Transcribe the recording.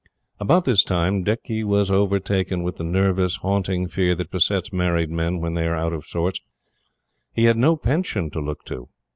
About this time, Dicky was overtaken with the nervous, haunting fear that besets married men when they are out of sorts. He had no pension to look to.